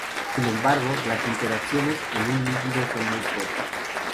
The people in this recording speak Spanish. Sin embargo, las interacciones en un líquido son muy fuertes.